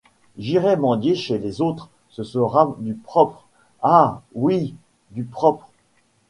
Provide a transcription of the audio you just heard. J’irai mendier chez les autres, ce sera du propre, ah ! oui, du propre !